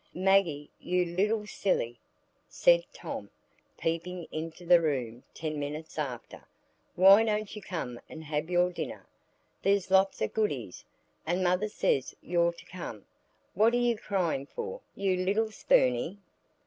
"Maggie, you little silly," said Tom, peeping into the room ten minutes after, "why don't you come and have your dinner? There's lots o' goodies, and mother says you're to come. What are you crying for, you little spooney?"